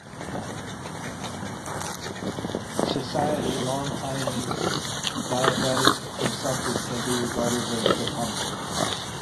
Society, long pining, diabetic, consumptive, can be regarded as defunct.